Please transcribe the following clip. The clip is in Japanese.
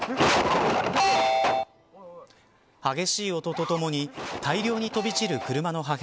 激しい音とともに大量に飛び散る車の破片。